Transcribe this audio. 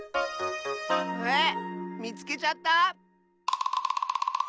えっみつけちゃった？